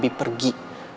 bawa abi pergi